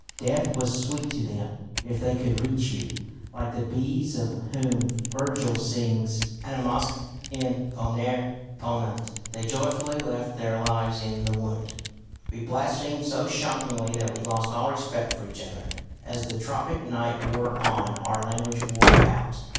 Death was sweet to them if they could reach you. Like the bees of whom Virgil sings, "Animasque in vulnere ponunt," they joyfully left their lives in the wound. We blasphemed so shockingly that we lost all respect for each other. As the tropic night wore on our language wore out.